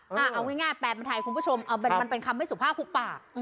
เอาง่ายแปลเป็นไทยคุณผู้ชมมันเป็นคำไม่สุภาพคุกปาก